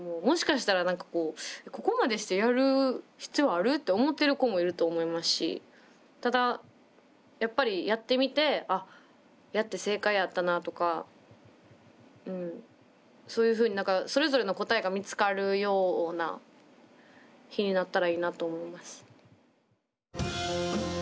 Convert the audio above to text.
もしかしたら何かこうここまでしてやる必要ある？って思ってる子もいると思いますしただやっぱりやってみてあっやって正解やったなとかそういうふうに何かそれぞれの答えが見つかるような日になったらいいなと思います。